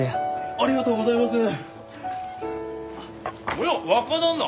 おや若旦那！